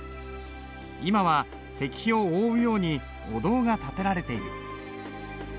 今は石碑を覆うようにお堂が建てられている。